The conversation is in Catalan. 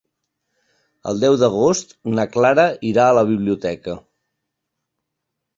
El deu d'agost na Clara irà a la biblioteca.